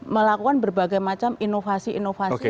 melakukan berbagai macam inovasi inovasi